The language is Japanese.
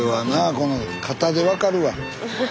この肩で分かるわ。